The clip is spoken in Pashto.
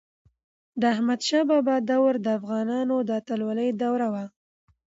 د احمد شاه بابا دور د افغانانو د اتلولی دوره وه.